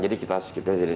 jadi kita skip dulu